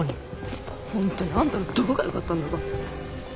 ホントにあんたのどこが良かったんだか。